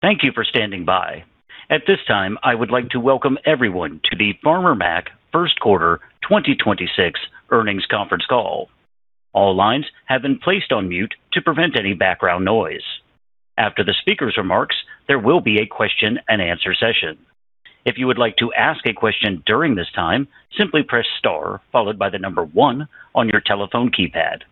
Thank you for standing by. At this time, I would like to welcome everyone to the Farmer Mac first quarter 2026 earnings conference call. All lines have been placed on mute to prevent any background noise. After the speaker's remarks, there will be a question and answer session. If you would like to ask a question during this time, simply press star followed by the number 1 on your telephone keypad.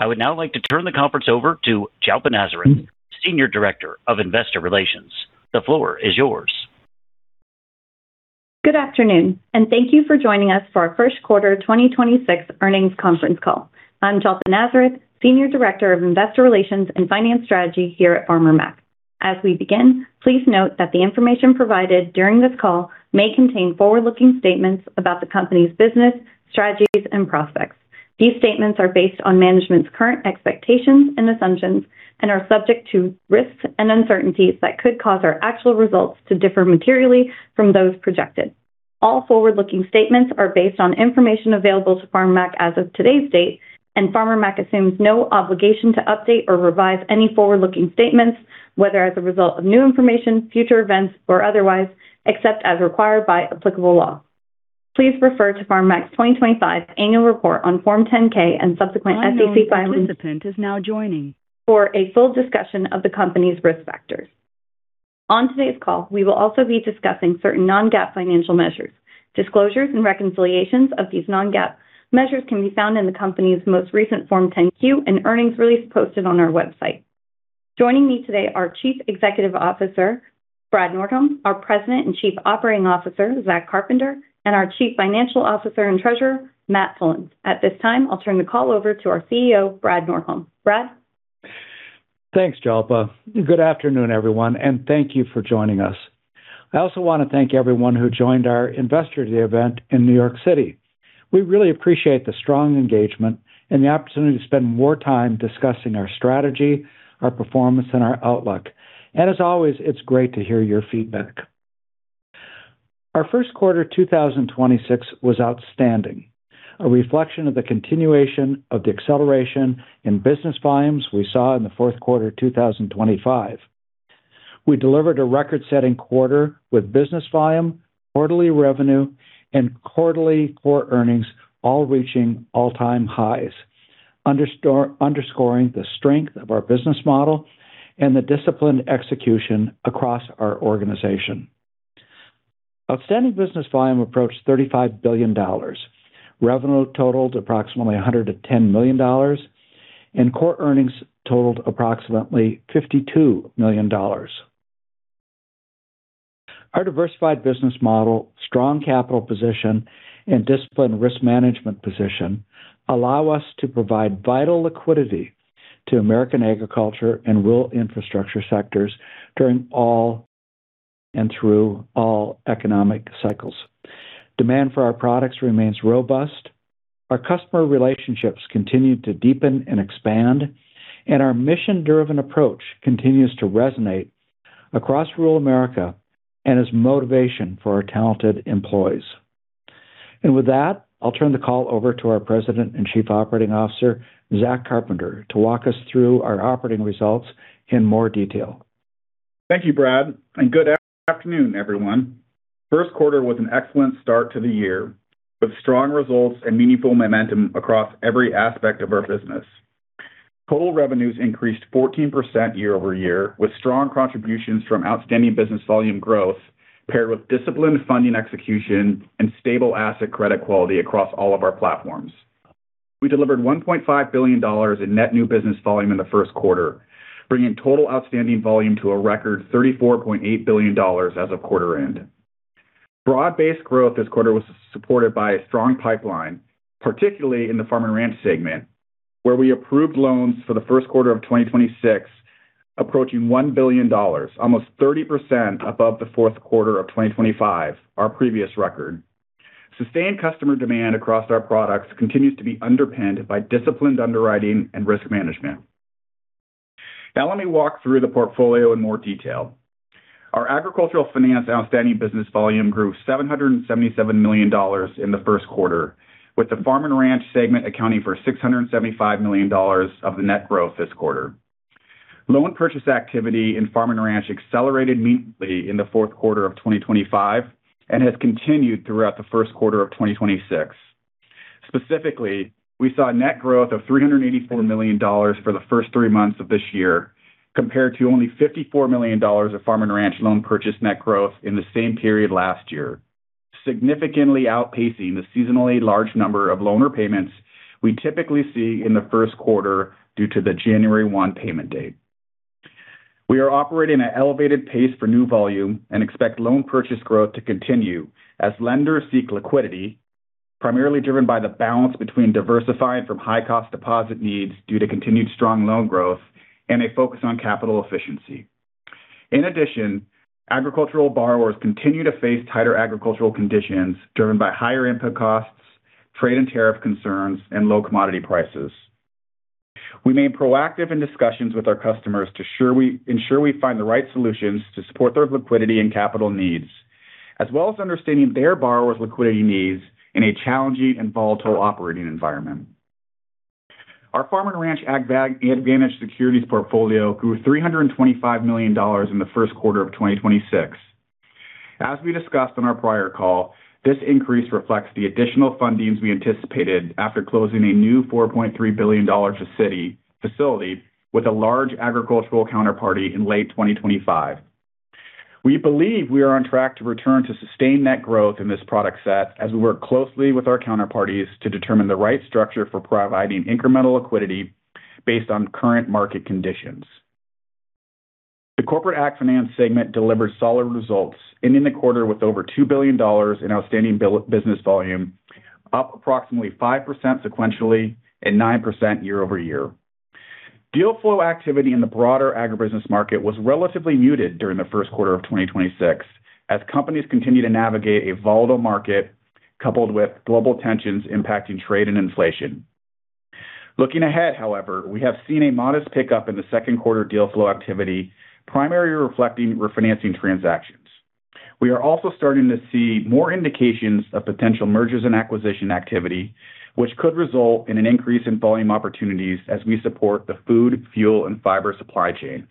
I would now like to turn the conference over to Jalpa Nazareth, Senior Director of Investor Relations. The floor is yours. Good afternoon, thank you for joining us for our first quarter 2026 earnings conference call. I'm Jalpa Nazareth, Senior Director of Investor Relations and Finance Strategy here at Farmer Mac. As we begin, please note that the information provided during this call may contain forward-looking statements about the company's business, strategies, and prospects. These statements are based on management's current expectations and assumptions and are subject to risks and uncertainties that could cause our actual results to differ materially from those projected. All forward-looking statements are based on information available to Farmer Mac as of today's date, and Farmer Mac assumes no obligation to update or revise any forward-looking statements, whether as a result of new information, future events, or otherwise, except as required by applicable law. Please refer to Farmer Mac's 2025 annual report on Form 10-K and subsequent SEC filings. Unknown participant is now joining. For a full discussion of the company's risk factors. On today's call, we will also be discussing certain non-GAAP financial measures. Disclosures and reconciliations of these non-GAAP measures can be found in the company's most recent Form 10-Q and earnings release posted on our website. Joining me today are Chief Executive Officer, Brad Nordholm, our President and Chief Operating Officer, Zach Carpenter, and our Chief Financial Officer and Treasurer, Matthew M. Pullins. At this time, I'll turn the call over to our CEO, Brad Nordholm. Brad? Thanks, Jalpa. Good afternoon, everyone. Thank you for joining us. I also want to thank everyone who joined our Investor Day event in New York City. We really appreciate the strong engagement and the opportunity to spend more time discussing our strategy, our performance, and our outlook. As always, it's great to hear your feedback. Our first quarter 2026 was outstanding. A reflection of the continuation of the acceleration in business volumes we saw in the fourth quarter 2025. We delivered a record-setting quarter with business volume, quarterly revenue, and quarterly core earnings all reaching all-time highs, underscoring the strength of our business model and the disciplined execution across our organization. Outstanding business volume approached $35 billion. Revenue totaled approximately $110 million, and core earnings totaled approximately $52 million. Our diversified business model, strong capital position, and disciplined risk management position allow us to provide vital liquidity to American agriculture and rural infrastructure sectors during all and through all economic cycles. Demand for our products remains robust. Our customer relationships continue to deepen and expand, and our mission-driven approach continues to resonate across rural America and is motivation for our talented employees. With that, I'll turn the call over to our President and Chief Operating Officer, Zach Carpenter, to walk us through our operating results in more detail. Thank you, Brad, and good afternoon, everyone. First quarter was an excellent start to the year, with strong results and meaningful momentum across every aspect of our business. Total revenues increased 14% year-over-year, with strong contributions from outstanding business volume growth paired with disciplined funding execution and stable asset credit quality across all of our platforms. We delivered $1.5 billion in net new business volume in the first quarter, bringing total outstanding volume to a record $34.8 billion as of quarter end. Broad-based growth this quarter was supported by a strong pipeline, particularly in the Farm & Ranch segment, where we approved loans for the first quarter of 2026 approaching $1 billion, almost 30% above the fourth quarter of 2025, our previous record. Sustained customer demand across our products continues to be underpinned by disciplined underwriting and risk management. Now let me walk through the portfolio in more detail. Our agricultural finance outstanding business volume grew $777 million in the first quarter, with the Farm & Ranch segment accounting for $675 million of the net growth this quarter. Loan purchase activity in Farm & Ranch accelerated meaningfully in the fourth quarter of 2025 and has continued throughout the first quarter of 2026. Specifically, we saw net growth of $384 million for the first 3 months of this year, compared to only $54 million of Farm & Ranch loan purchase net growth in the same period last year, significantly outpacing the seasonally large number of loan repayments we typically see in the first quarter due to the January 1 payment date. We are operating at an elevated pace for new volume and expect loan purchase growth to continue as lenders seek liquidity, primarily driven by the balance between diversifying from high-cost deposit needs due to continued strong loan growth and a focus on capital efficiency. In addition, agricultural borrowers continue to face tighter agricultural conditions driven by higher input costs, trade and tariff concerns, and low commodity prices. We remain proactive in discussions with our customers to ensure we find the right solutions to support their liquidity and capital needs, as well as understanding their borrowers' liquidity needs in a challenging and volatile operating environment. Our Farm & Ranch AgVantage securities portfolio grew $325 million in the first quarter of 2026. As we discussed on our prior call, this increase reflects the additional fundings we anticipated after closing a new $4.3 billion facility with a large agricultural counterparty in late 2025. We believe we are on track to return to sustained net growth in this product set as we work closely with our counterparties to determine the right structure for providing incremental liquidity based on current market conditions. The Corporate AgFinance segment delivered solid results, ending the quarter with over $2 billion in outstanding business volume, up approximately 5% sequentially and 9% year-over-year. Deal flow activity in the broader agribusiness market was relatively muted during the first quarter of 2026 as companies continue to navigate a volatile market coupled with global tensions impacting trade and inflation. Looking ahead, however, we have seen a modest pickup in the second quarter deal flow activity, primarily reflecting refinancing transactions. We are also starting to see more indications of potential mergers and acquisition activity, which could result in an increase in volume opportunities as we support the food, fuel, and fiber supply chain.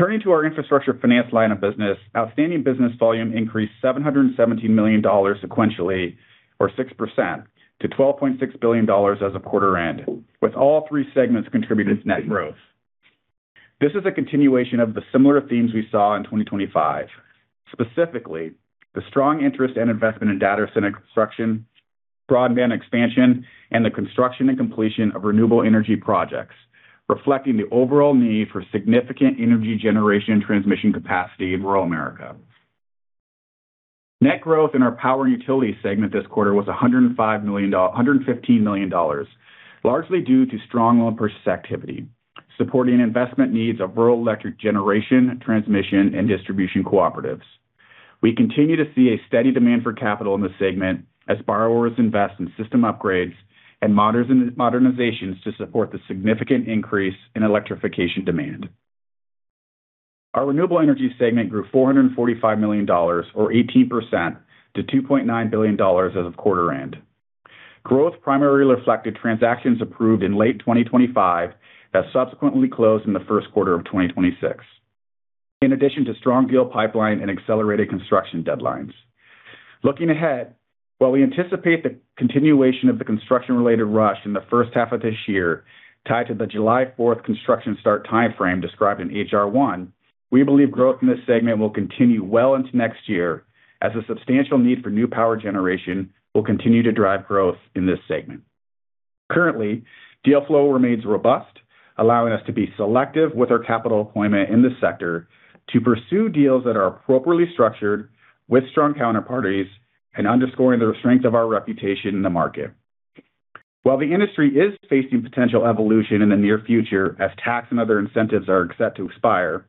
Turning to our infrastructure finance line of business, outstanding business volume increased $717 million sequentially, or 6%, to $12.6 billion as of quarter end, with all three segments contributing net growth. This is a continuation of the similar themes we saw in 2025. Specifically, the strong interest and investment in data center construction, broadband expansion, and the construction and completion of Renewable Energy projects, reflecting the overall need for significant energy generation and transmission capacity in rural America. Net growth in our Power and Utilities segment this quarter was $115 million, largely due to strong loan purchase activity, supporting investment needs of rural electric generation, transmission, and distribution cooperatives. We continue to see a steady demand for capital in the segment as borrowers invest in system upgrades and modernizations to support the significant increase in electrification demand. Our Renewable Energy segment grew $445 million, or 18%, to $2.9 billion as of quarter-end. Growth primarily reflected transactions approved in late 2025 that subsequently closed in the first quarter of 2026, in addition to strong deal pipeline and accelerated construction deadlines. Looking ahead, while we anticipate the continuation of the construction-related rush in the first half of this year tied to the July 4th construction start timeframe described in H.R. 1, we believe growth in this segment will continue well into next year as the substantial need for new power generation will continue to drive growth in this segment. Currently, deal flow remains robust, allowing us to be selective with our capital deployment in this sector to pursue deals that are appropriately structured with strong counterparties and underscoring the strength of our reputation in the market. While the industry is facing potential evolution in the near future as tax and other incentives are set to expire,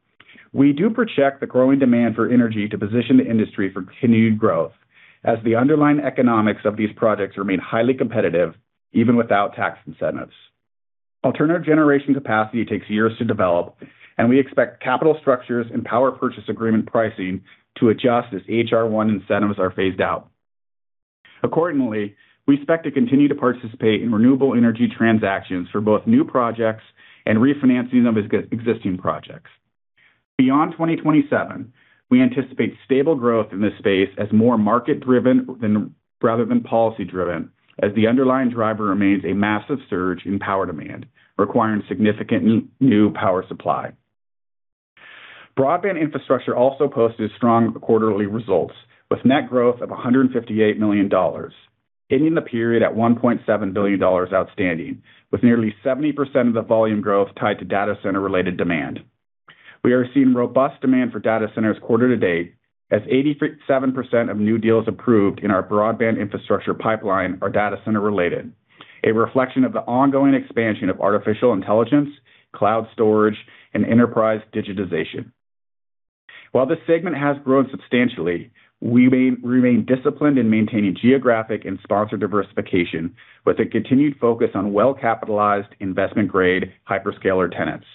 we do project the growing demand for energy to position the industry for continued growth as the underlying economics of these projects remain highly competitive even without tax incentives. Alternative generation capacity takes years to develop, we expect capital structures and power purchase agreement pricing to adjust as H.R. 1 incentives are phased out. Accordingly, we expect to continue to participate in Renewable Energy transactions for both new projects and refinancing of existing projects. Beyond 2027, we anticipate stable growth in this space as more market-driven rather than policy-driven, as the underlying driver remains a massive surge in power demand, requiring significant new power supply. Broadband Infrastructure also posted strong quarterly results, with net growth of $158 million, ending the period at $1.7 billion outstanding, with nearly 70% of the volume growth tied to data center-related demand. We are seeing robust demand for data centers quarter to date, as 87% of new deals approved in our Broadband Infrastructure pipeline are data center related, a reflection of the ongoing expansion of artificial intelligence, cloud storage, and enterprise digitization. While this segment has grown substantially, we may remain disciplined in maintaining geographic and sponsor diversification with a continued focus on well-capitalized investment-grade hyperscaler tenants.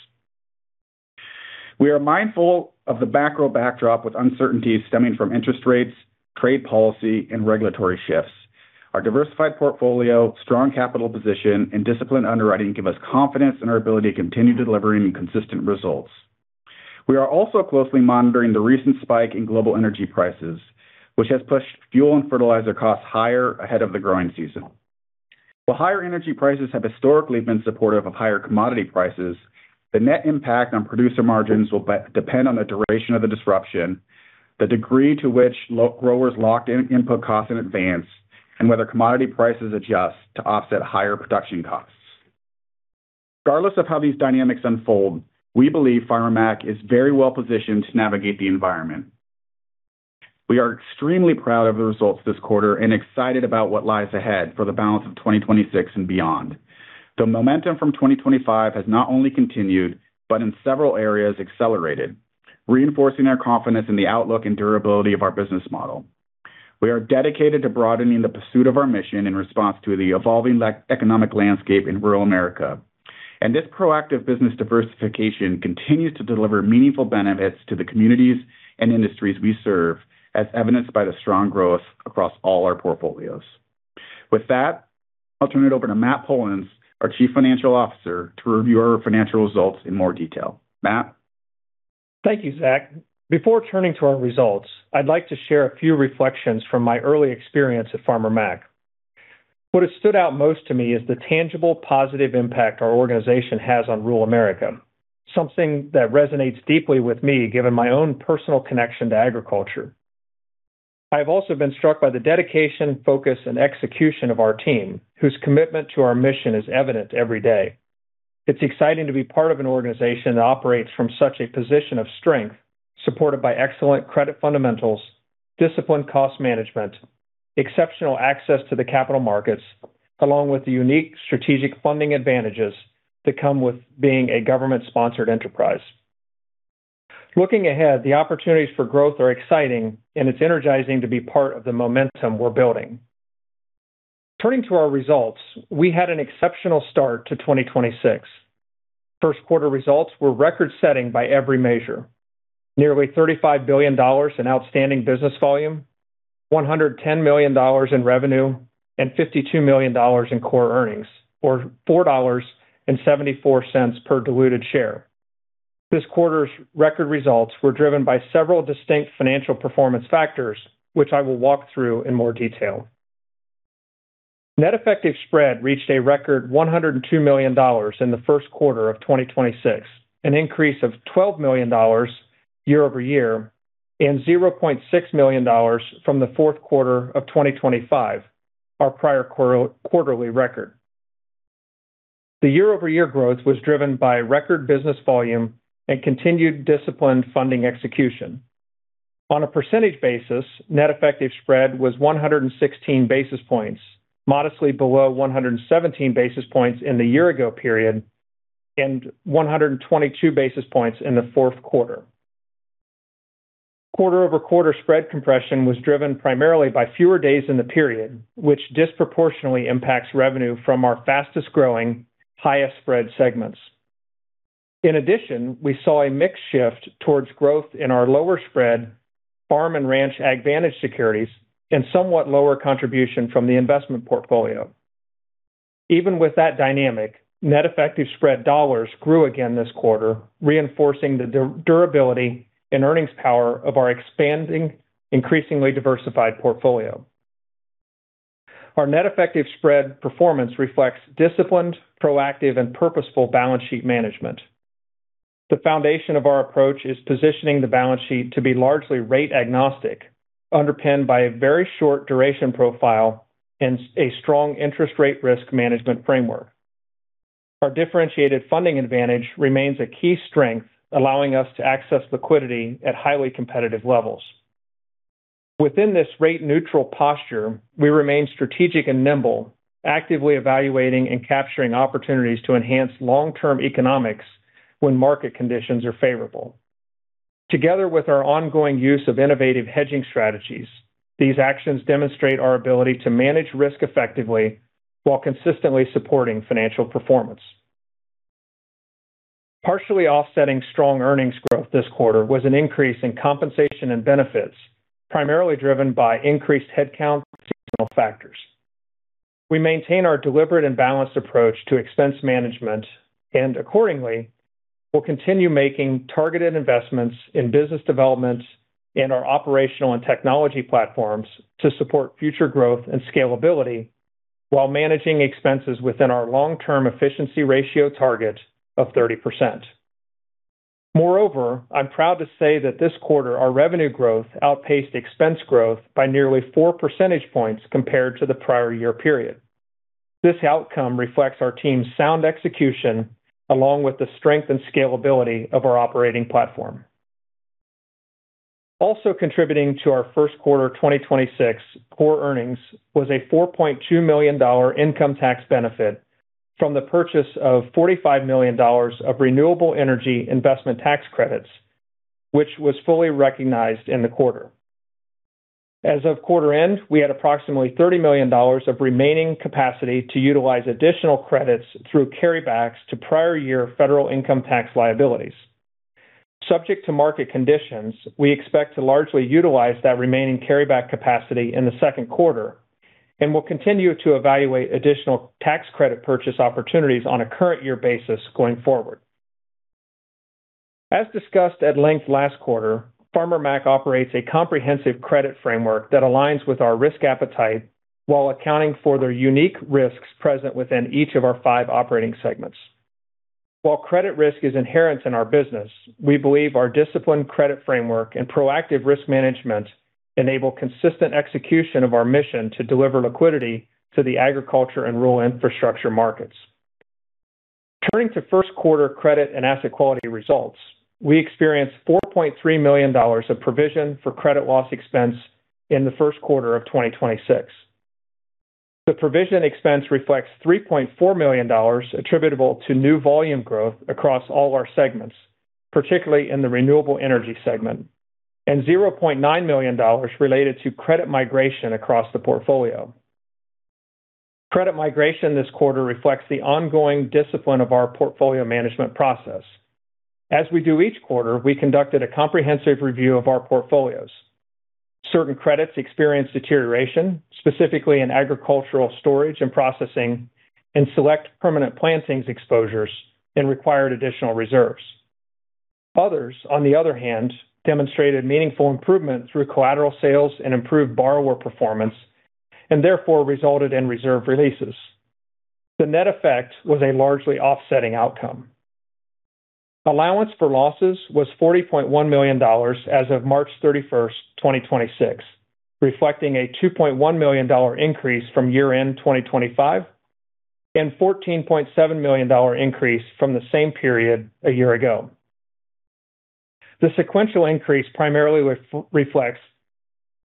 We are mindful of the macro backdrop with uncertainties stemming from interest rates, trade policy, and regulatory shifts. Our diversified portfolio, strong capital position, and disciplined underwriting give us confidence in our ability to continue delivering consistent results. We are also closely monitoring the recent spike in global energy prices, which has pushed fuel and fertilizer costs higher ahead of the growing season. While higher energy prices have historically been supportive of higher commodity prices, the net impact on producer margins will depend on the duration of the disruption, the degree to which growers locked in input costs in advance, and whether commodity prices adjust to offset higher production costs. Regardless of how these dynamics unfold, we believe Farmer Mac is very well-positioned to navigate the environment. We are extremely proud of the results this quarter and excited about what lies ahead for the balance of 2026 and beyond. The momentum from 2025 has not only continued, but in several areas accelerated, reinforcing our confidence in the outlook and durability of our business model. We are dedicated to broadening the pursuit of our mission in response to the evolving economic landscape in rural America. This proactive business diversification continues to deliver meaningful benefits to the communities and industries we serve, as evidenced by the strong growth across all our portfolios. With that, I'll turn it over to Matt Pullins, our Chief Financial Officer, to review our financial results in more detail. Matt? Thank you, Zach. Before turning to our results, I'd like to share a few reflections from my early experience at Farmer Mac. What has stood out most to me is the tangible positive impact our organization has on rural America, something that resonates deeply with me given my own personal connection to agriculture. I've also been struck by the dedication, focus, and execution of our team, whose commitment to our mission is evident every day. It's exciting to be part of an organization that operates from such a position of strength, supported by excellent credit fundamentals, disciplined cost management, exceptional access to the capital markets, Along with the unique strategic funding advantages that come with being a government-sponsored enterprise. Looking ahead, the opportunities for growth are exciting, and it's energizing to be part of the momentum we're building. Turning to our results, we had an exceptional start to 2026. First quarter results were record-setting by every measure. Nearly $35 billion in outstanding business volume, $110 million in revenue, and $52 million in core earnings, or $4.74 per diluted share. This quarter's record results were driven by several distinct financial performance factors, which I will walk through in more detail. net effective spread reached a record $102 million in the first quarter of 2026, an increase of $12 million year-over-year and $0.6 million from the fourth quarter of 2025, our prior quarterly record. The year-over-year growth was driven by record business volume and continued disciplined funding execution. On a percentage basis, net effective spread was 116 basis points, modestly below 117 basis points in the year-ago period and 122 basis points in the fourth quarter. Quarter-over-quarter spread compression was driven primarily by fewer days in the period, which disproportionately impacts revenue from our fastest-growing, highest spread segments. In addition, we saw a mix shift towards growth in our lower spread Farm & Ranch AgVantage securities and somewhat lower contribution from the investment portfolio. Even with that dynamic, net effective spread dollars grew again this quarter, reinforcing the durability and earnings power of our expanding, increasingly diversified portfolio. Our net effective spread performance reflects disciplined, proactive, and purposeful balance sheet management. The foundation of our approach is positioning the balance sheet to be largely rate agnostic, underpinned by a very short duration profile and a strong interest rate risk management framework. Our differentiated funding advantage remains a key strength, allowing us to access liquidity at highly competitive levels. Within this rate neutral posture, we remain strategic and nimble, actively evaluating and capturing opportunities to enhance long-term economics when market conditions are favorable. Together with our ongoing use of innovative hedging strategies, these actions demonstrate our ability to manage risk effectively while consistently supporting financial performance. Partially offsetting strong earnings growth this quarter was an increase in compensation and benefits, primarily driven by increased headcount seasonal factors. We maintain our deliberate and balanced approach to expense management, and accordingly, will continue making targeted investments in business developments in our operational and technology platforms to support future growth and scalability while managing expenses within our long-term efficiency ratio target of 30%. Moreover, I'm proud to say that this quarter our revenue growth outpaced expense growth by nearly 4 percentage points compared to the prior year period. This outcome reflects our team's sound execution along with the strength and scalability of our operating platform. Also contributing to our first quarter 2026 core earnings was a $4.2 million income tax benefit from the purchase of $45 million of renewable energy investment tax credits, which was fully recognized in the quarter. As of quarter end, we had approximately $30 million of remaining capacity to utilize additional credits through carrybacks to prior year federal income tax liabilities. Subject to market conditions, we expect to largely utilize that remaining carryback capacity in the second quarter and will continue to evaluate additional tax credit purchase opportunities on a current year basis going forward. As discussed at length last quarter, Farmer Mac operates a comprehensive credit framework that aligns with our risk appetite while accounting for the unique risks present within each of our 5 operating segments. While credit risk is inherent in our business, we believe our disciplined credit framework and proactive risk management enable consistent execution of our mission to deliver liquidity to the agriculture and rural infrastructure markets. Turning to first quarter credit and asset quality results, we experienced $4.3 million of provision for credit loss expense in the first quarter of 2026. The provision expense reflects $3.4 million attributable to new volume growth across all our segments, particularly in the Renewable Energy segment. $0.9 million related to credit migration across the portfolio. Credit migration this quarter reflects the ongoing discipline of our portfolio management process. As we do each quarter, we conducted a comprehensive review of our portfolios. Certain credits experienced deterioration, specifically in agricultural storage and processing and select permanent plantings exposures and required additional reserves. Others, on the other hand, demonstrated meaningful improvement through collateral sales and improved borrower performance and therefore resulted in reserve releases. The net effect was a largely offsetting outcome. Allowance for losses was $40.1 million as of March 31, 2026, reflecting a $2.1 million increase from year-end 2025 and $14.7 million increase from the same period a year ago. The sequential increase primarily reflects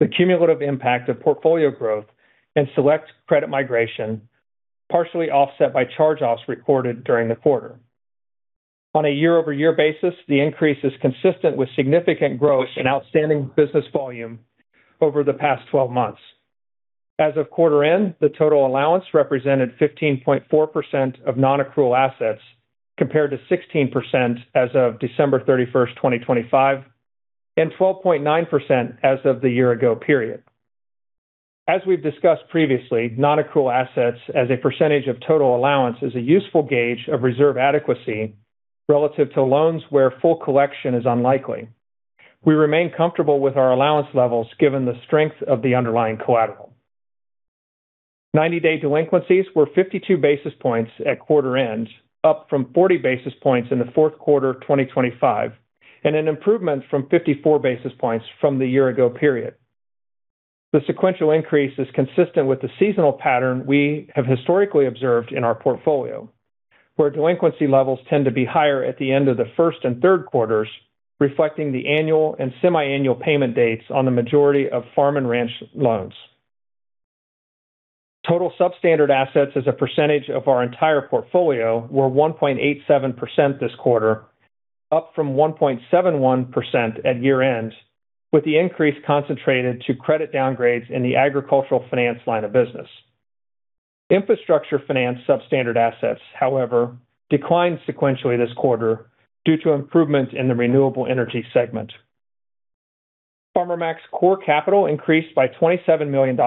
the cumulative impact of portfolio growth and select credit migration, partially offset by charge-offs recorded during the quarter. On a year-over-year basis, the increase is consistent with significant growth in outstanding business volume over the past 12 months. As of quarter end, the total allowance represented 15.4% of nonaccrual assets, compared to 16% as of December 31, 2025, and 12.9% as of the year ago period. As we've discussed previously, nonaccrual assets as a percentage of total allowance is a useful gauge of reserve adequacy relative to loans where full collection is unlikely. We remain comfortable with our allowance levels given the strength of the underlying collateral. 90-day delinquencies were 52 basis points at quarter end, up from 40 basis points in the fourth quarter of 2025, and an improvement from 54 basis points from the year ago period. The sequential increase is consistent with the seasonal pattern we have historically observed in our portfolio, where delinquency levels tend to be higher at the end of the first and third quarters, reflecting the annual and semiannual payment dates on the majority of Farm & Ranch loans. Total substandard assets as a percentage of our entire portfolio were 1.87% this quarter, up from 1.71% at year-end, with the increase concentrated to credit downgrades in the Corporate AgFinance line of business. Infrastructure finance substandard assets, however, declined sequentially this quarter due to improvements in the Renewable Energy segment. Farmer Mac's core capital increased by $27 million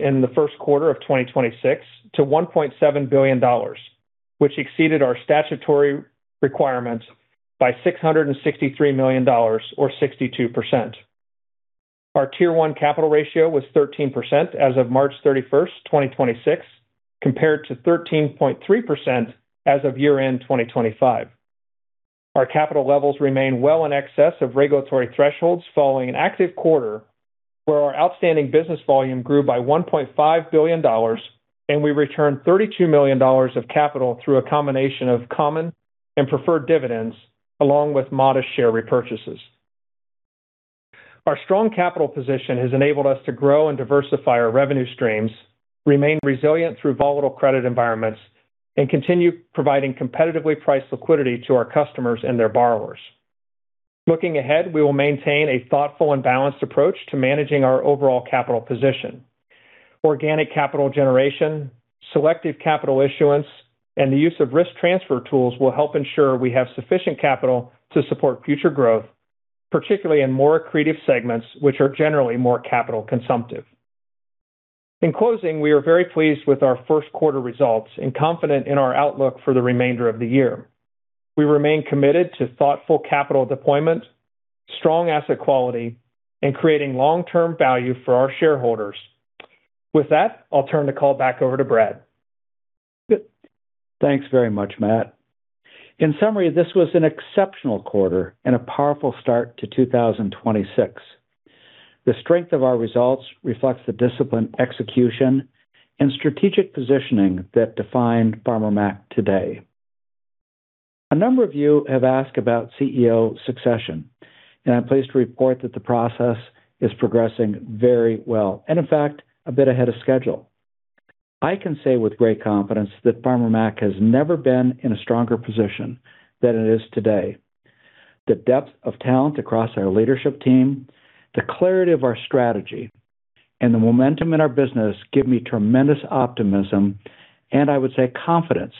in the first quarter of 2026 to $1.7 billion, which exceeded our statutory requirements by $663 million, or 62%. Our Tier 1 Capital Ratio was 13% as of March 31, 2026, compared to 13.3% as of year-end 2025. Our capital levels remain well in excess of regulatory thresholds following an active quarter where our outstanding business volume grew by $1.5 billion and we returned $32 million of capital through a combination of common and preferred dividends along with modest share repurchases. Our strong capital position has enabled us to grow and diversify our revenue streams, remain resilient through volatile credit environments, and continue providing competitively priced liquidity to our customers and their borrowers. Looking ahead, we will maintain a thoughtful and balanced approach to managing our overall capital position. Organic capital generation, selective capital issuance, and the use of risk transfer tools will help ensure we have sufficient capital to support future growth, particularly in more accretive segments, which are generally more capital consumptive. In closing, we are very pleased with our first quarter results and confident in our outlook for the remainder of the year. We remain committed to thoughtful capital deployment, strong asset quality, and creating long-term value for our shareholders. With that, I'll turn the call back over to Brad. Thanks very much, Matt. In summary, this was an exceptional quarter and a powerful start to 2026. The strength of our results reflects the disciplined execution and strategic positioning that defined Farmer Mac today. A number of you have asked about CEO succession, and I'm pleased to report that the process is progressing very well and, in fact, a bit ahead of schedule. I can say with great confidence that Farmer Mac has never been in a stronger position than it is today. The depth of talent across our leadership team, the clarity of our strategy, and the momentum in our business give me tremendous optimism, and I would say confidence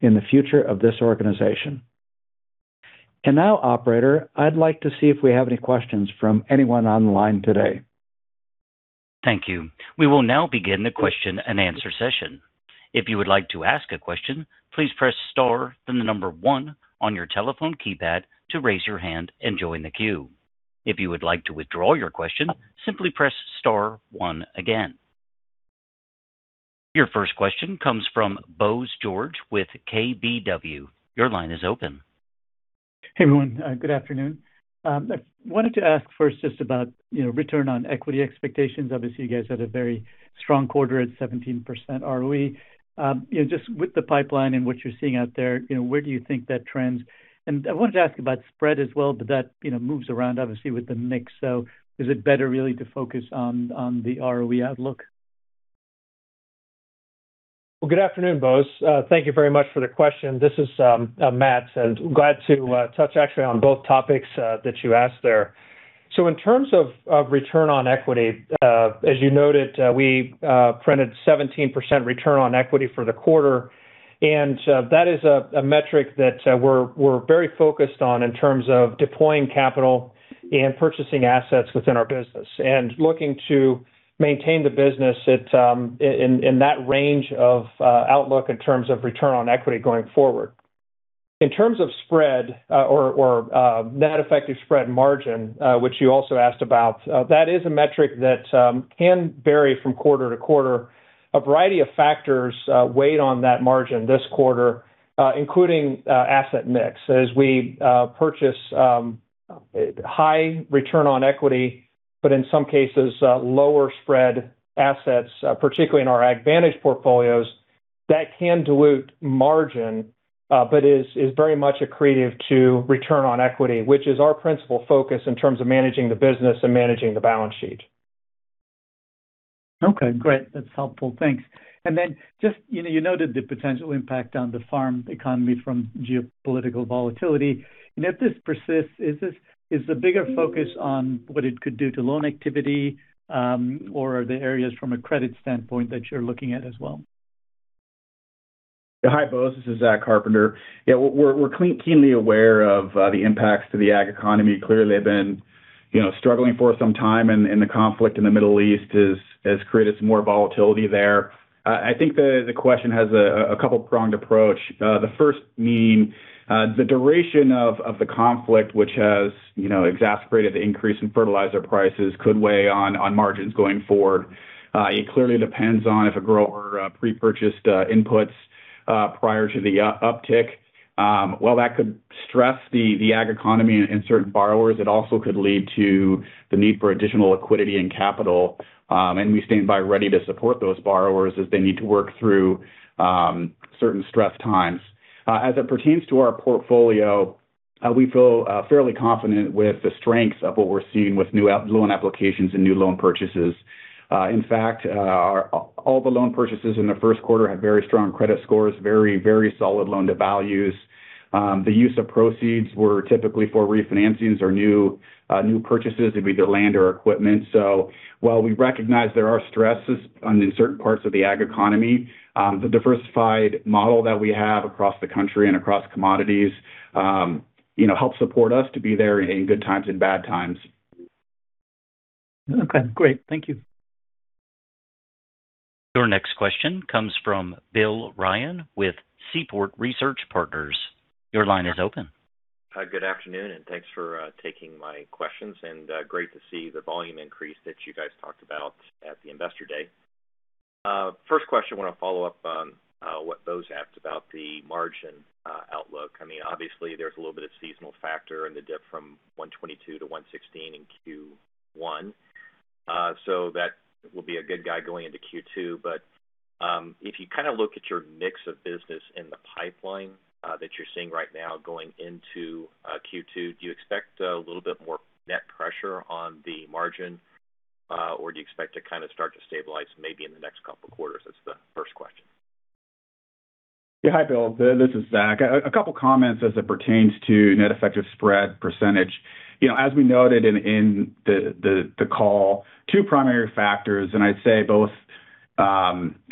in the future of this organization. Now, operator, I'd like to see if we have any questions from anyone on the line today. Thank you. We will now begin the question and answer session. If you would like to ask a question, please press star, then the number one on your telephone keypad to raise your hand and join the queue. If you would like to withdraw your question, simply press star one again. Your first question comes from Bose George with KBW. Your line is open. Hey, everyone. Good afternoon. I wanted to ask first just about, you know, return on equity expectations. Obviously, you guys had a very strong quarter at 17% ROE. You know, just with the pipeline and what you're seeing out there, you know, where do you think that trends? I wanted to ask about spread as well, but that, you know, moves around obviously with the mix. Is it better really to focus on the ROE outlook? Well, good afternoon, Bose. Thank you very much for the question. This is Matt, and glad to touch actually on both topics that you asked there. In terms of return on equity, as you noted, we printed 17% return on equity for the quarter. That is a metric that we're very focused on in terms of deploying capital and purchasing assets within our business. Looking to maintain the business at in that range of outlook in terms of return on equity going forward. In terms of spread, or net effective spread margin, which you also asked about, that is a metric that can vary from quarter to quarter. A variety of factors weighed on that margin this quarter, including asset mix. As we purchase high return on equity, but in some cases, lower spread assets, particularly in our AgVantage portfolios, that can dilute margin, but is very much accretive to return on equity, which is our principal focus in terms of managing the business and managing the balance sheet. Okay, great. That's helpful. Thanks. Then just, you know, you noted the potential impact on the farm economy from geopolitical volatility. If this persists, is the bigger focus on what it could do to loan activity, or are there areas from a credit standpoint that you're looking at as well? Hi, Bose. This is Zach Carpenter. Yeah. We're keenly aware of the impacts to the ag economy. Clearly they've been, you know, struggling for some time, and the conflict in the Middle East has created some more volatility there. I think the question has a couple-pronged approach. The first meaning, the duration of the conflict, which has, you know, exacerbated the increase in fertilizer prices could weigh on margins going forward. It clearly depends on if a grower pre-purchased inputs prior to the uptick. While that could stress the ag economy in certain borrowers, it also could lead to the need for additional liquidity and capital. We stand by ready to support those borrowers as they need to work through certain stress times. As it pertains to our portfolio, we feel fairly confident with the strengths of what we're seeing with new loan applications and new loan purchases. In fact, all the loan purchases in the first quarter had very strong credit scores, very solid loan to values. The use of proceeds were typically for refinancings or new purchases. It'd be the land or equipment. While we recognize there are stresses on certain parts of the ag economy, the diversified model that we have across the country and across commodities, you know, help support us to be there in good times and bad times. Okay, great. Thank you. Your next question comes from William Ryan with Seaport Research Partners. Your line is open. Hi, good afternoon, and thanks for taking my questions. Great to see the volume increase that you guys talked about at the Investor Day. First question, want to follow up on what Bose asked about the margin outlook. I mean, obviously there's a little bit of seasonal factor in the dip from 122 to 116 in Q1. That will be a good guide going into Q2. If you kind of look at your mix of business in the pipeline that you're seeing right now going into Q2, do you expect a little bit more net pressure on the margin? Do you expect to kind of start to stabilize maybe in the next couple of quarters? That's the first question. Yeah. Hi, Bill. This is Zach. A couple comments as it pertains to net effective spread percentage. You know, as we noted in the call, two primary factors, and I'd say both,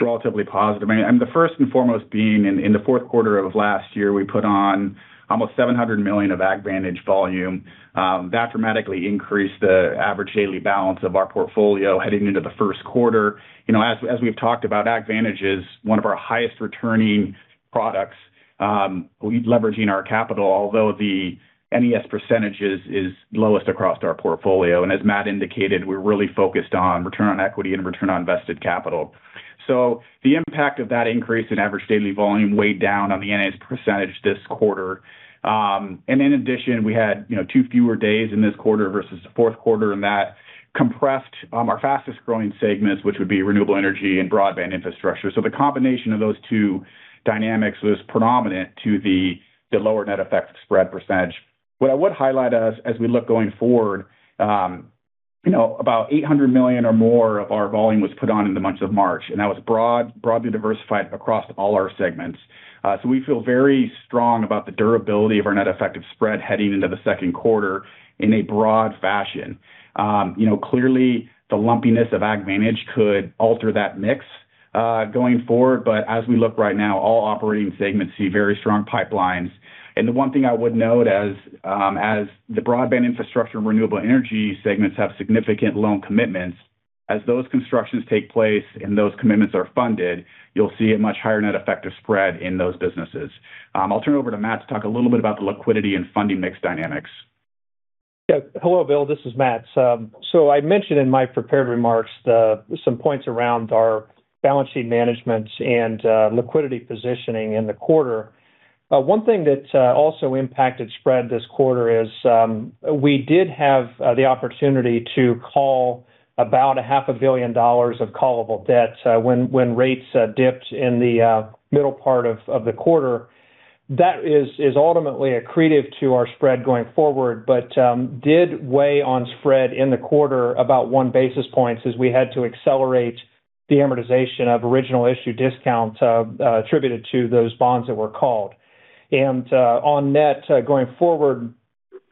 relatively positive. I mean, the first and foremost being in the fourth quarter of last year, we put on almost $700 million of AgVantage volume. That dramatically increased the average daily balance of our portfolio heading into the first quarter. You know, as we've talked about, AgVantage is one of our highest returning products, leveraging our capital, although the NES percentages is lowest across our portfolio. As Matt indicated, we're really focused on return on equity and return on invested capital. The impact of that increase in average daily volume weighed down on the NES percentage this quarter. In addition, we had, you know, 2 fewer days in this quarter versus the fourth quarter, and that compressed our fastest-growing segments, which would be Renewable Energy and Broadband Infrastructure. The combination of those 2 dynamics was predominant to the lower net effective spread percentage. What I would highlight as we look going forward, you know, about $800 million or more of our volume was put on in the month of March, and that was broadly diversified across all our segments. We feel very strong about the durability of our net effective spread heading into the second quarter in a broad fashion. Clearly, the lumpiness of AgVantage could alter that mix going forward. As we look right now, all operating segments see very strong pipelines. The one thing I would note as the Broadband Infrastructure and Renewable Energy segments have significant loan commitments. As those constructions take place and those commitments are funded, you'll see a much higher net effective spread in those businesses. I'll turn it over to Matt to talk a little bit about the liquidity and funding mix dynamics. Hello, Bill. This is Matt. I mentioned in my prepared remarks some points around our balance sheet management and liquidity positioning in the quarter. One thing that also impacted spread this quarter is we did have the opportunity to call about a half a billion dollars of callable debt when rates dipped in the middle part of the quarter. That is ultimately accretive to our spread going forward, did weigh on spread in the quarter about 1 basis point as we had to accelerate the amortization of original issue discount attributed to those bonds that were called. On net, going forward,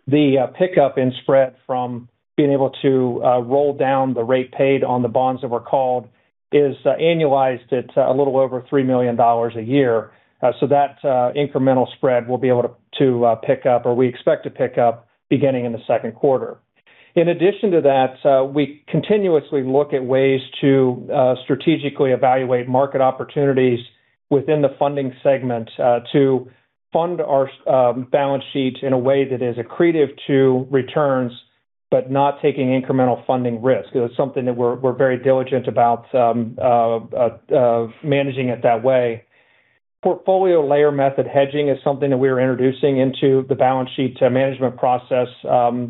the pickup in spread from being able to roll down the rate paid on the bonds that were called is annualized at a little over $3 million a year. So that incremental spread we'll be able to pick up, or we expect to pick up beginning in the 2nd quarter. In addition to that, we continuously look at ways to strategically evaluate market opportunities within the funding segment to fund our balance sheet in a way that is accretive to returns but not taking incremental funding risk. It is something that we're very diligent about managing it that way. Portfolio layer method hedging is something that we're introducing into the balance sheet management process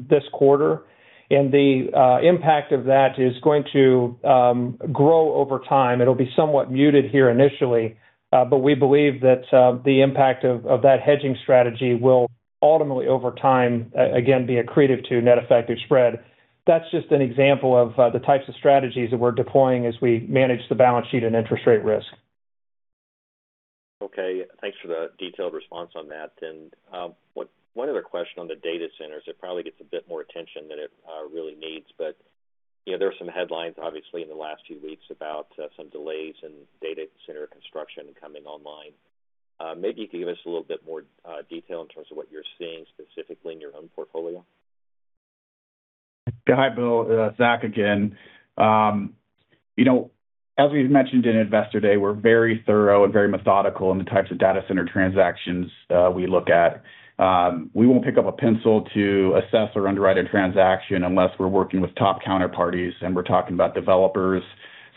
this quarter. The impact of that is going to grow over time. It'll be somewhat muted here initially, but we believe that the impact of that hedging strategy will ultimately, over time, again, be accretive to net effective spread. That's just an example of the types of strategies that we're deploying as we manage the balance sheet and interest rate risk. Okay. Thanks for the detailed response on that then. One other question on the data centers. It probably gets a bit more attention than it really needs, but, you know, there were some headlines obviously in the last few weeks about some delays in data center construction coming online. Maybe you could give us a little bit more detail in terms of what you're seeing specifically in your own portfolio. Yeah. Hi, Bill. Zach again. You know, as we've mentioned in Investor Day, we're very thorough and very methodical in the types of data center transactions we look at. We won't pick up a pencil to assess or underwrite a transaction unless we're working with top counterparties, and we're talking about developers,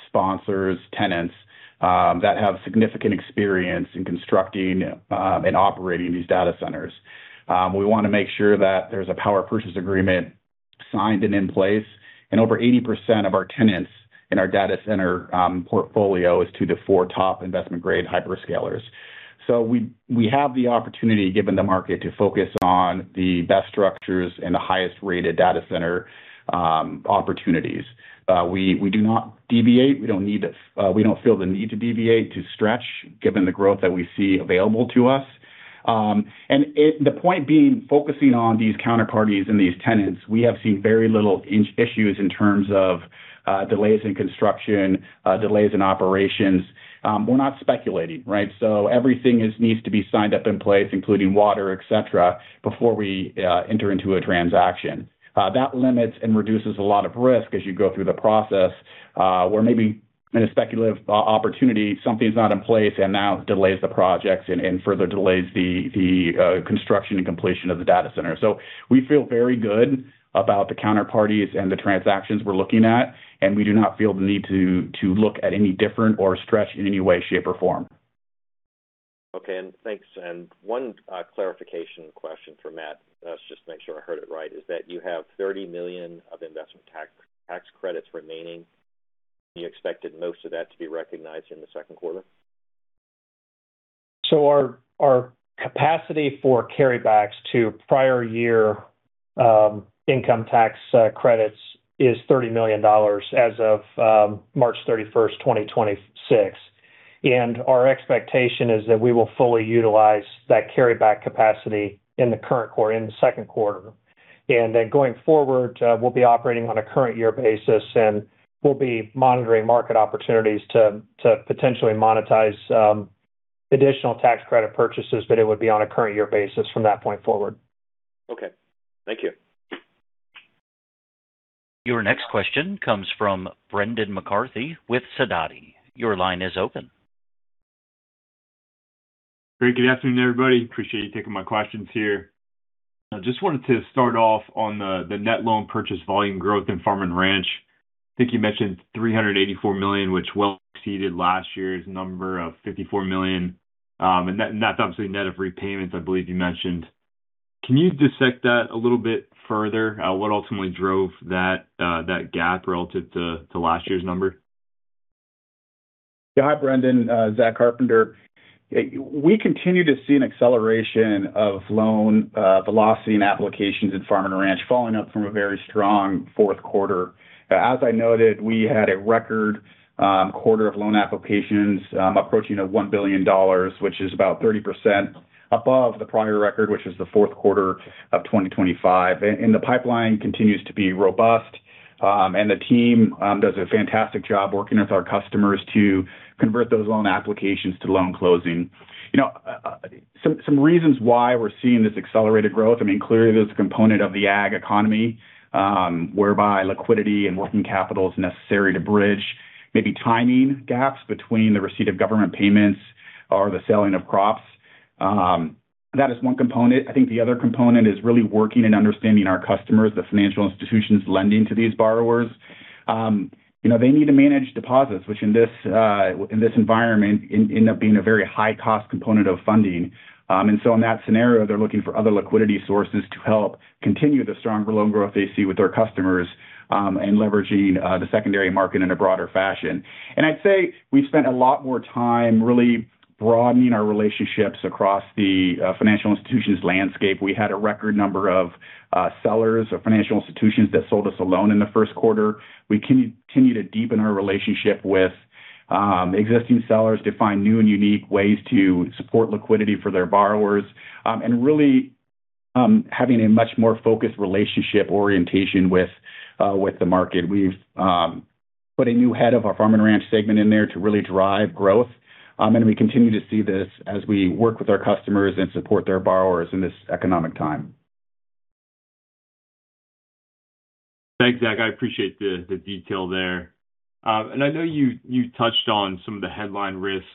sponsors, tenants that have significant experience in constructing and operating these data centers. We want to make sure that there's a power purchase agreement signed and in place. Over 80% of our tenants in our data center portfolio is to the 4 top investment-grade hyperscalers. We have the opportunity, given the market, to focus on the best structures and the highest-rated data center opportunities. We do not deviate. We don't feel the need to deviate, to stretch, given the growth that we see available to us. The point being, focusing on these counterparties and these tenants, we have seen very little issues in terms of delays in construction, delays in operations. We're not speculating, right? Everything needs to be signed up in place, including water, et cetera, before we enter into a transaction. That limits and reduces a lot of risk as you go through the process, where maybe in a speculative opportunity, something's not in place and now delays the projects and further delays the construction and completion of the data center. We feel very good about the counterparties and the transactions we're looking at, and we do not feel the need to look at any different or stretch in any way, shape, or form. Okay. Thanks. One clarification question for Matt, and I was just making sure I heard it right, is that you have $30 million of investment tax credits remaining. You expected most of that to be recognized in the second quarter? Our capacity for carrybacks to prior year income tax credits is $30 million as of March 31, 2026. Our expectation is that we will fully utilize that carryback capacity in the second quarter. Going forward, we'll be operating on a current year basis, and we'll be monitoring market opportunities to potentially monetize additional tax credit purchases. It would be on a current year basis from that point forward. Okay. Thank you. Your next question comes from Brendan McCarthy with Sidoti & Company. Your line is open. Great. Good afternoon, everybody. Appreciate you taking my questions here. I just wanted to start off on the net loan purchase volume growth in Farm & Ranch. I think you mentioned $384 million, which well exceeded last year's number of $54 million, and that's obviously net of repayments, I believe you mentioned. Can you dissect that a little bit further? What ultimately drove that gap relative to last year's number? Hi, Brendan. Zach Carpenter. We continue to see an acceleration of loan velocity and applications in Farm & Ranch, following up from a very strong fourth quarter. As I noted, we had a record quarter of loan applications, approaching $1 billion, which is about 30% above the prior record, which is the fourth quarter of 2025. The pipeline continues to be robust, and the team does a fantastic job working with our customers to convert those loan applications to loan closing. You know, some reasons why we're seeing this accelerated growth, I mean, clearly, there's a component of the ag economy, whereby liquidity and working capital is necessary to bridge maybe timing gaps between the receipt of government payments or the selling of crops. That is one component. I think the other component is really working and understanding our customers, the financial institutions lending to these borrowers. you know, they need to manage deposits, which in this environment end up being a very high-cost component of funding. In that scenario, they're looking for other liquidity sources to help continue the stronger loan growth they see with their customers, and leveraging the secondary market in a broader fashion. I'd say we've spent a lot more time really broadening our relationships across the financial institutions landscape. We had a record number of sellers or financial institutions that sold us a loan in the first quarter. We continue to deepen our relationship with existing sellers to find new and unique ways to support liquidity for their borrowers. Really, having a much more focused relationship orientation with the market. We've put a new head of our Farm & Ranch segment in there to really drive growth. We continue to see this as we work with our customers and support their borrowers in this economic time. Thanks, Zach. I appreciate the detail there. I know you touched on some of the headline risks,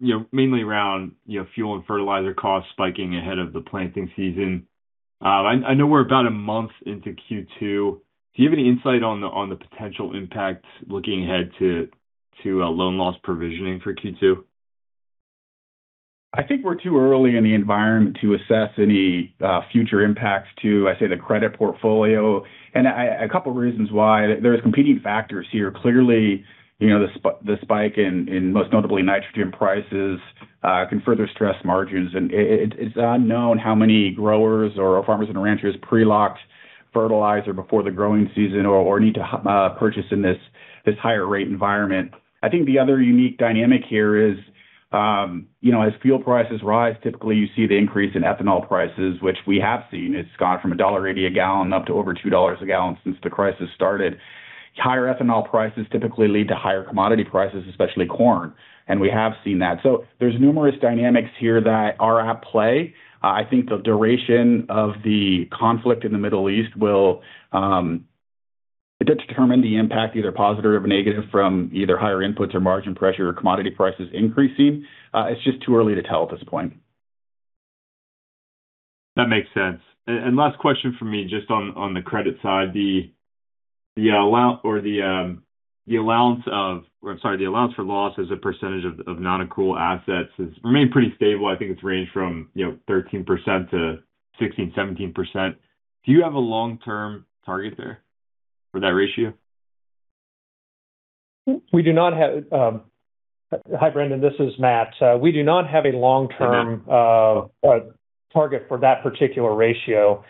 you know, mainly around, you know, fuel and fertilizer costs spiking ahead of the planting season. I know we're about a month into Q2. Do you have any insight on the potential impact looking ahead to loan loss provisioning for Q2? I think we're too early in the environment to assess any future impacts to, I'd say, the credit portfolio. A couple of reasons why. There's competing factors here. Clearly, you know, the spike in most notably nitrogen prices can further stress margins. It is unknown how many growers or farmers and ranchers pre-locked fertilizer before the growing season or need to purchase in this higher rate environment. I think the other unique dynamic here is, you know, as fuel prices rise, typically you see the increase in ethanol prices, which we have seen. It's gone from $1.80 a gallon up to over $2 a gallon since the crisis started. Higher ethanol prices typically lead to higher commodity prices, especially corn, we have seen that. There's numerous dynamics here that are at play. I think the duration of the conflict in the Middle East will determine the impact, either positive or negative, from either higher inputs or margin pressure or commodity prices increasing. It's just too early to tell at this point. That makes sense. Last question from me, just on the credit side. The allowance for loss as a percentage of nonaccrual assets has remained pretty stable. I think it's ranged from, you know, 13% to 16%-17%. Do you have a long-term target there for that ratio? We do not have. Hi Brendan, this is Matt. We do not have a long-term. Hey, Matt target for that particular ratio.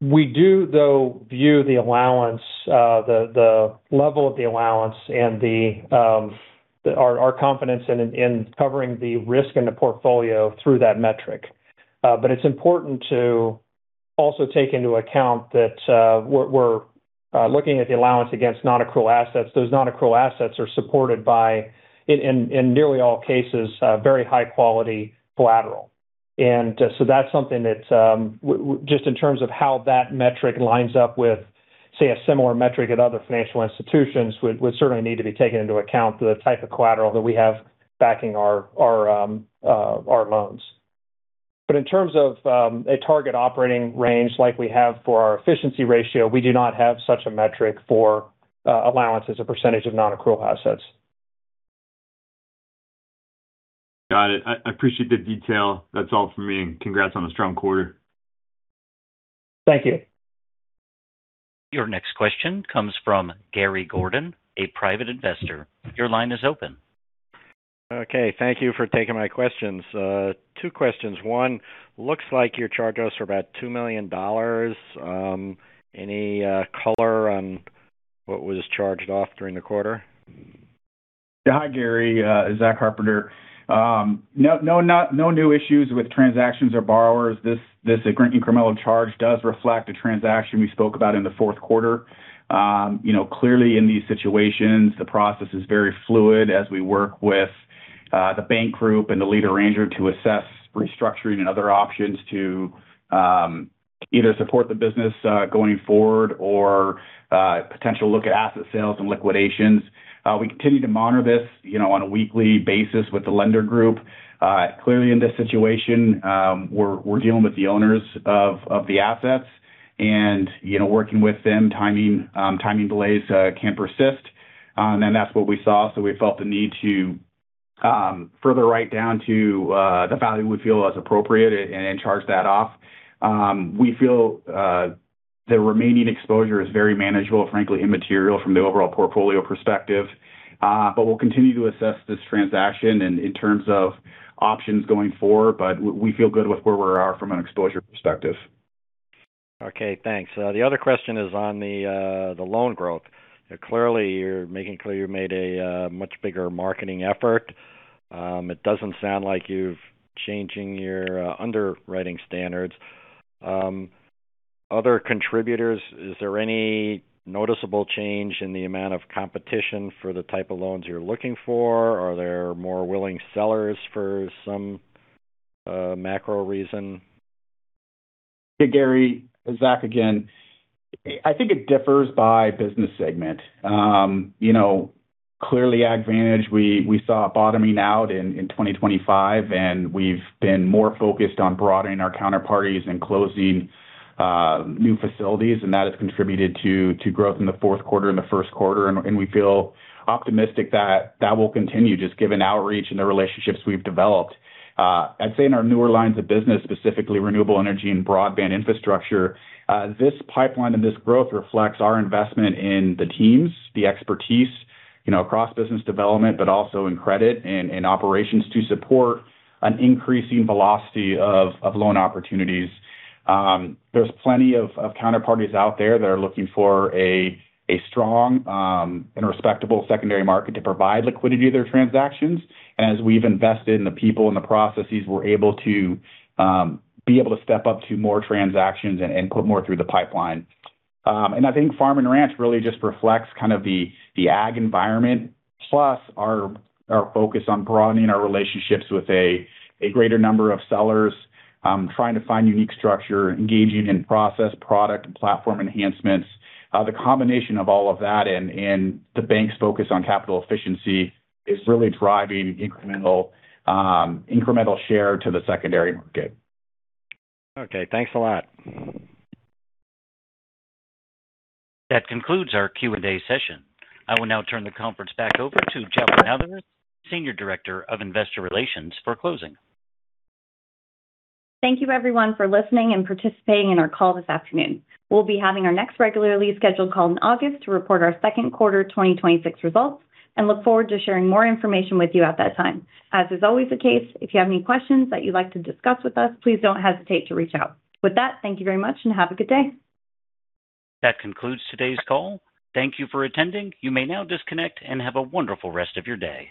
We do, though, view the allowance, the level of the allowance and our confidence in covering the risk in the portfolio through that metric. It's important to also take into account that we're looking at the allowance against nonaccrual assets. Those nonaccrual assets are supported by in nearly all cases, very high-quality collateral. That's something that just in terms of how that metric lines up with, say, a similar metric at other financial institutions would certainly need to be taken into account the type of collateral that we have backing our loans. In terms of a target operating range like we have for our efficiency ratio, we do not have such a metric for allowance as a percentage of nonaccrual assets. Got it. I appreciate the detail. That's all from me, and congrats on a strong quarter. Thank you. Your next question comes from Gary Gordon, a private investor. Your line is open. Okay. Thank you for taking my questions. 2 questions. 1, looks like your charge-offs are about $2 million. Any color on what was charged off during the quarter? Yeah. Hi, Gary. Zach Carpenter. No new issues with transactions or borrowers. This incremental charge does reflect a transaction we spoke about in the fourth quarter. You know, clearly in these situations, the process is very fluid as we work with the bank group and the lead arranger to assess restructuring and other options to either support the business going forward or potentially look at asset sales and liquidations. We continue to monitor this, you know, on a weekly basis with the lender group. Clearly in this situation, we're dealing with the owners of the assets and, you know, working with them, timing delays can persist. That's what we saw, so we felt the need to further write down to the value we feel is appropriate and charge that off. We feel the remaining exposure is very manageable, frankly immaterial from the overall portfolio perspective. We'll continue to assess this transaction and in terms of options going forward, but we feel good with where we are from an exposure perspective. Okay, thanks. The other question is on the loan growth. Clearly, you're making clear you made a much bigger marketing effort. It doesn't sound like you're changing your underwriting standards. Other contributors, is there any noticeable change in the amount of competition for the type of loans you're looking for? Are there more willing sellers for some macro reason? Yeah, Gary. Zach again. I think it differs by business segment. You know, Clearly, AgVantage, we saw a bottoming out in 2025, and we've been more focused on broadening our counterparties and closing new facilities. That has contributed to growth in the fourth quarter and the first quarter. We feel optimistic that will continue just given outreach and the relationships we've developed. I'd say in our newer lines of business, specifically Renewable Energy and Broadband Infrastructure, this pipeline and this growth reflects our investment in the teams, the expertise, you know, across business development, but also in credit and in operations to support an increasing velocity of loan opportunities. There's plenty of counterparties out there that are looking for a strong and respectable secondary market to provide liquidity to their transactions. As we've invested in the people and the processes, we're able to be able to step up to more transactions and put more through the pipeline. I think Farm & Ranch really just reflects kind of the ag environment, plus our focus on broadening our relationships with a greater number of sellers, trying to find unique structure, engaging in process, product and platform enhancements. The combination of all of that and the bank's focus on capital efficiency is really driving incremental share to the secondary market. Okay. Thanks a lot. That concludes our Q&A session. I will now turn the conference back over to Jalpa Nazareth, Senior Director of Investor Relations, for closing. Thank you everyone for listening and participating in our call this afternoon. We'll be having our next regularly scheduled call in August to report our second quarter 2026 results and look forward to sharing more information with you at that time. As is always the case, if you have any questions that you'd like to discuss with us, please don't hesitate to reach out. With that, thank you very much and have a good day. That concludes today's call. Thank you for attending. You may now disconnect and have a wonderful rest of your day.